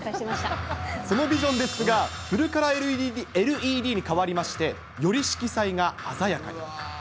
そのビジョンですが、フルカラーＬＥＤに変わりまして、より色彩が鮮やかに。